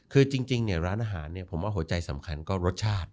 คือจริงร้านอาหารผมว่าหัวใจสำคัญก็รสชาติ